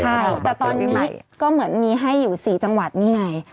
ใช่แต่ตอนนี้ก็เหมือนมีให้อยู่๔จังหวัดนี่ไง